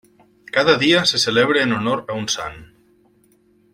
Cada dia se celebra en honor a un Sant.